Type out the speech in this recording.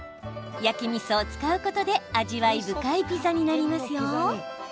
焼きみそを使うことで味わい深いピザになりますよ。